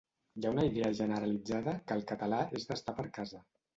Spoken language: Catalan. Hi ha una idea generalitzada que el català és d’estar per casa.